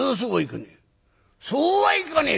「いやそうはいかねえ。